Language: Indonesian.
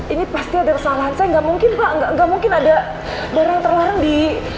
ini pasti ada perusahaan saya gak mungkin enggak mungkin ada barang terlarang di